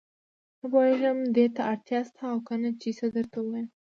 نه پوهېږم دې ته اړتیا شته او کنه چې څه درته ووايم.